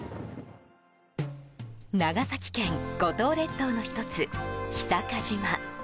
長崎県五島列島の１つ久賀島。